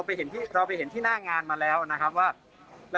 เราไปเห็นที่หน้างานมาแล้วนะครับว่า